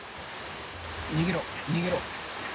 逃げろ逃げろ。